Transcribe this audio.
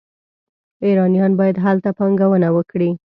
ایرانیان باید هلته پانګونه وکړي.